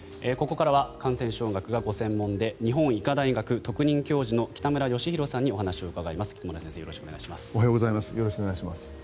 ここからは感染症学がご専門で日本医科大学特任教授の北村義浩さんにお話をお伺いします。